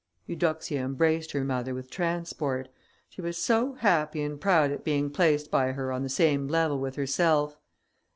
Eudoxia embraced her mother with transport; she was so happy and proud at being placed by her on the same level with herself.